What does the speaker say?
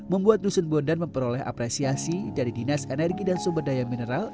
membuat dusun bondan memperoleh apresiasi dari dinas energi dan sumber daya mineral